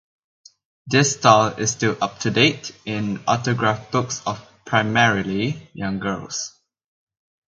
This style is still up to date in autograph books of (primarily) young girls.